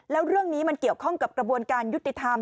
แล้วเรื่องนี้มันเกี่ยวข้องกับกระบวนการยุติธรรม